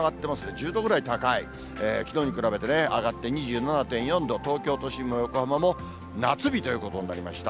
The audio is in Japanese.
１０度ぐらい高い、きのうに比べてね、上がって２７．４度、東京都心も横浜も夏日ということになりました。